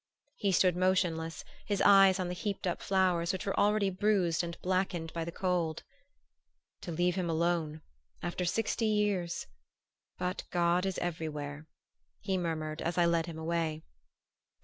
He stood motionless, his eyes on the heaped up flowers which were already bruised and blackened by the cold. "To leave him alone after sixty years! But God is everywhere " he murmured as I led him away.